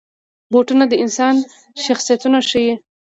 بوټونه د انسان شخصیت ښيي.